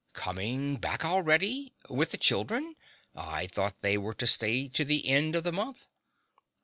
Coming back already with the children? I thought they were to stay to the end of the month.